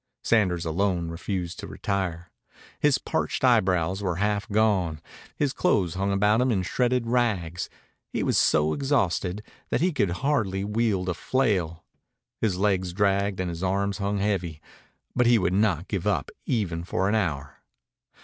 Sanders alone refused to retire. His parched eyebrows were half gone. His clothes hung about him in shredded rags. He was so exhausted that he could hardly wield a flail. His legs dragged and his arms hung heavy. But he would not give up even for an hour.